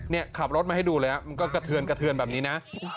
นี่ขับรถมาให้ดูเลยมันก็กระเทือนกระเทือนแบบนี้นะ